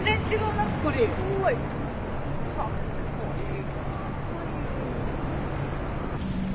かっこいい。